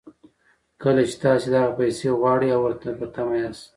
کله چې تاسې دغه پيسې غواړئ او ورته په تمه ياست.